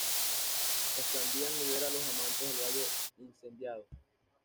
Esplandián libera a los amantes del Valle Incendiado.